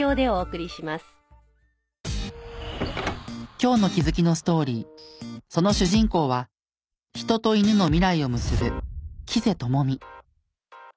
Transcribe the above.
今日の気づきのストーリーその主人公は人と犬の未来を結ぶ黄瀬知美。